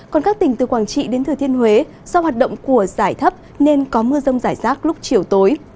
còn các tỉnh từ quảng trị đến thừa thiên huế do hoạt động của giải thấp nên có mưa rông rải rác lúc chiều tối